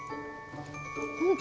うん。